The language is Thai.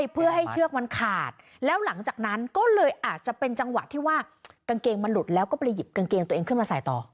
เพื่อให้เชือกมันขาดแล้วหลังจากนั้นก็เลยอาจจะเป็นจังหวะที่ว่ากางเกงมันหลุดแล้วก็ไปหยิบกางเกงตัวเองขึ้นมาใส่ต่อ